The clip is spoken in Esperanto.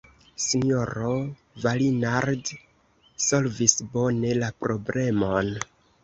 S-ro Varinard solvis bone la problemon.